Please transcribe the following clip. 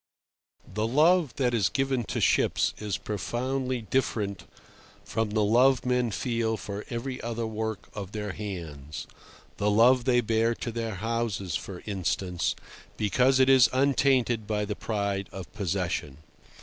The love that is given to ships is profoundly different from the love men feel for every other work of their hands—the love they bear to their houses, for instance—because it is untainted by the pride of possession.